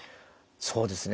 そうですね。